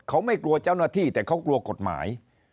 เขาไม่กลัวเจ้าหน้าที่แต่เขากลัวกฎหมาย